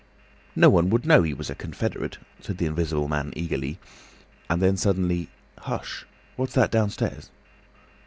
"No one would know he was a confederate," said the Invisible Man, eagerly. And then suddenly, "Hush! What's that downstairs?"